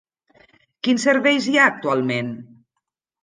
Quins serveis hi ha actualment?